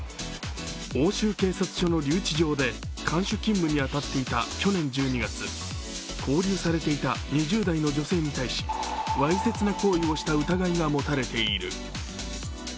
奥州警察署の留置場で看守勤務に当たっていた去年１２月、勾留されていた２０代の女性に対しわいせつな行為をした疑いが持たれている。